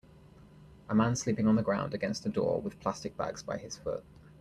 A man sleeping on the ground against a door with plastic bags by his foot.